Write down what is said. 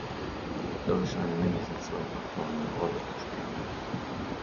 Dabei scheinen mindestens zwei Faktoren eine Rolle zu spielen.